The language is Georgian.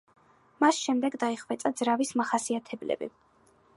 მას შემდეგ დაიხვეწა ძრავის მახასიათებლები.